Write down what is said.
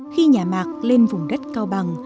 khi nhà mạc lên vùng đất cao bằng